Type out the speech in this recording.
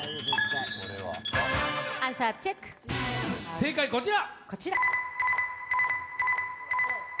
正解はこちら。